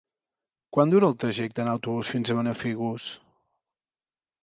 Quant dura el trajecte en autobús fins a Benafigos?